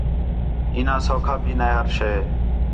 اِینا سَوکھا بھی نے ہر شے